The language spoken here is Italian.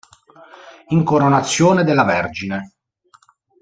Incoronazione della Vergine